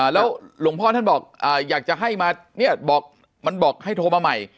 แล้วหลวงพ่อท่านบอกอยากจะให้มาเนี่ยบอกมันบอกให้โทรมาใหม่